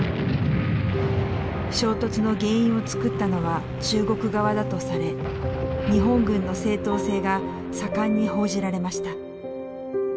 衝突の原因をつくったのは中国側だとされ日本軍の正当性が盛んに報じられました。